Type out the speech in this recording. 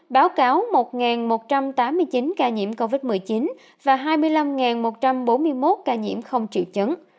báo cáo một một trăm tám mươi chín ca nhiễm covid một mươi chín và hai mươi năm một trăm bốn mươi một ca nhiễm không triệu chứng